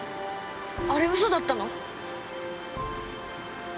あれ嘘だったの？